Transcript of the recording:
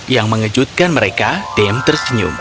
yang mengejutkan mereka dem tersenyum